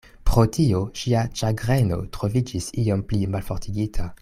Pro tio ŝia ĉagreno troviĝis iom pli malfortigita.